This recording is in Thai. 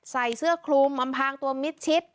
ใส่เสื้อคลุมอำพางตัวมิดชิด